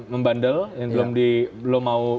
membandel yang belum mau